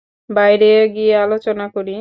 বাইরে গিয়ে আলোচনা করি?